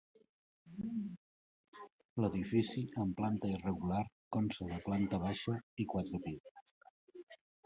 L'edifici, amb planta irregular, consta de planta baixa i quatre pisos.